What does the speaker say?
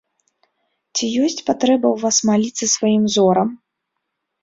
Ці ёсць патрэба ў вас маліцца сваім зорам?